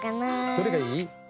どれがいい？